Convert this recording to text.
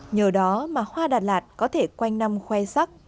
nhờ đó mà hoa đà lạt có thể quanh năm khoe sắc